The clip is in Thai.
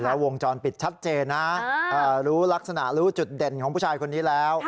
แล้ววงจรปิดชัดเจนนะรู้ลักษณะรู้จุดเด่นของผู้ชายคนนี้แล้ว